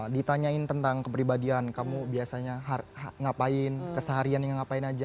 ditanyain tentang kepribadian kamu biasanya ngapain kesehariannya ngapain aja